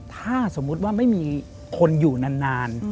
ถ้าสมมุติว่าไม่มีคนอยู่นาน